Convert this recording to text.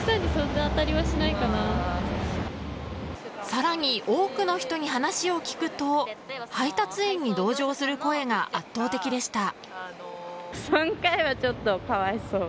更に、多くの人に話を聞くと配達員に同情する声が圧倒的でした。